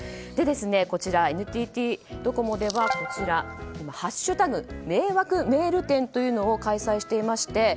こちら、ＮＴＴドコモでは「＃迷惑メール展」というのを開催していまして